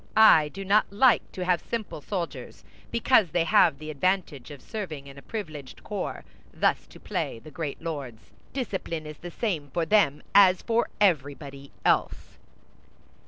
I do not like to have simple soldiers, because they have the advantage of serving in a privileged corps, thus to play the great lords; discipline is the same for them as for everybody else."